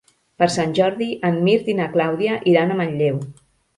Per Sant Jordi en Mirt i na Clàudia iran a Manlleu.